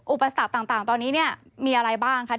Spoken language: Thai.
อุปสรรคต่างตอนนี้เนี่ยมีอะไรบ้างคะ